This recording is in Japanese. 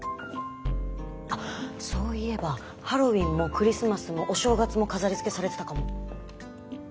あっそういえばハロウィーンもクリスマスもお正月も飾りづけされてたかも。